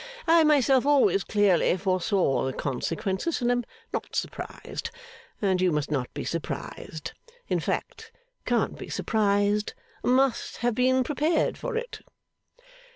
I myself always clearly foresaw the consequences, and am not surprised. And you must not be surprised. In fact, can't be surprised. Must have been prepared for it.